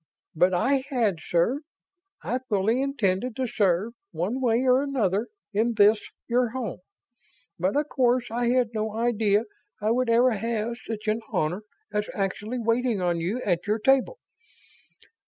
"But I had, sir. I fully intended to serve, one way or another, in this your home. But of course I had no idea I would ever have such an honor as actually waiting on you at your table.